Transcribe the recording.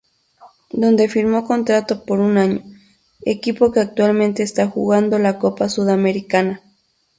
Donde firmo contrato por un año, equipo que actualmente esta jugando la Copa Sudamericana.